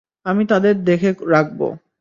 আমি তাদের দেখে রাখব।